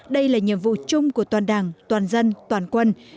đây là nhiệm vụ chung của toàn đảng toàn dân toàn quân